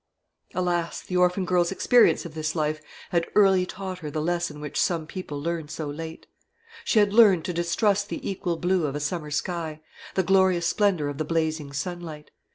Alas! the orphan girl's experience of this life had early taught her the lesson which some people learn so late. She had learnt to distrust the equal blue of a summer sky, the glorious splendour of the blazing sunlight.